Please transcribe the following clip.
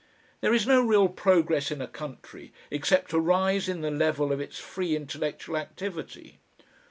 There is no real progress in a country, except a rise in the level of its free intellectual activity.